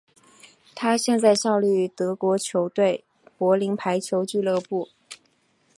他现在效力于德国球队柏林排球俱乐部。